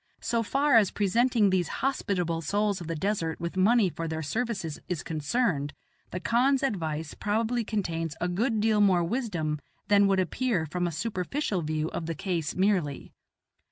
So far as presenting these hospitable souls of the desert with money for their services is concerned, the khan's advice probably contains a good deal more wisdom than would appear from a superficial view of the case merely.